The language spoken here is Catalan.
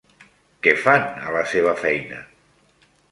Què fan a la seva feina?